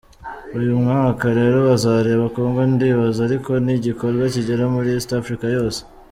Uyu mwaka rero bazareba Congo ndibaza ariko ni igikorwa kigera muri east africa yose.